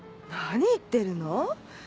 何言ってるの？